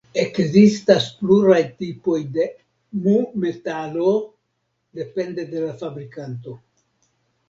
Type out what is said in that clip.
Ekzistas pluraj tipoj de mu-metalo, depende de la fabrikanto.